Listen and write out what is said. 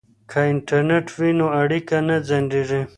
که انټرنیټ وي نو اړیکه نه ځنډیږي.